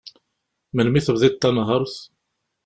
Melmi i tebdiḍ tanhert?